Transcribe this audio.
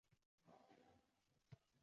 Mayli, – dedim men ham.